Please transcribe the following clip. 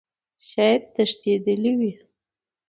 شايد تښتيدلى وي .